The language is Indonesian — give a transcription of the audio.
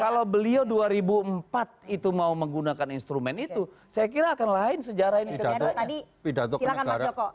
kalau beliau dua ribu empat itu mau menggunakan instrumen itu saya kira akan lain sejarah ini